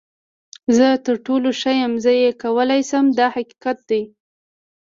زه تر ټولو ښه یم، زه یې کولی شم دا حقیقت دی.